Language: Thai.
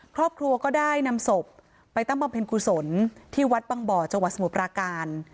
ครอบครัวก็ได้นำศพไปตั้งบำเพ็ญกุศลที่วัดบังบ่อจังหวัดสมุทรปราการ